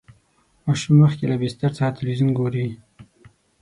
ماشوم مخکې له بستر څخه تلویزیون ګوري.